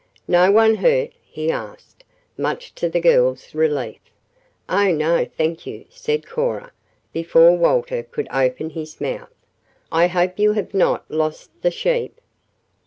"No one hurt?" he asked, much to the girls' relief. "Oh, no, thank you," said Cora, before Walter could open his mouth. "I hope you have not lost the sheep."